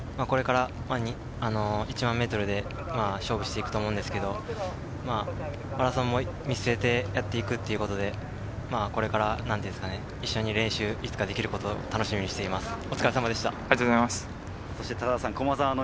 これから１００００ｍで勝負していくと思うんですけど、マラソンを見据えてやっていくということで一緒に練習をいつかできることを楽しみにしています。